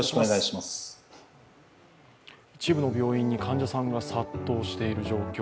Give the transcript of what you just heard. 一部の病院に患者さんが殺到している状況。